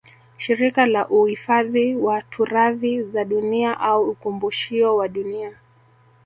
Shirika la Uifadhi wa turathi za dunia au ukumbushio wa Dunia